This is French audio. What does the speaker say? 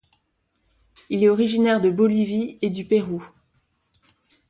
Il est originaire de Bolivie et du Pérou.